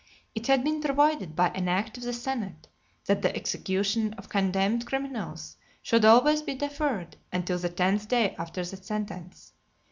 It had been provided by an act of the senate, that the execution of condemned criminals should always be deferred until the tenth day after the sentence.